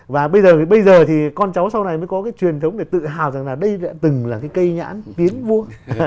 và bây giờ bây giờ thì con cháu sau này mới có cái truyền thống để tự hào rằng là đây đã từng là cái cây nhãn tiến vua